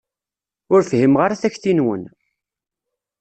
Ur fhimeɣ ara takti-nwen.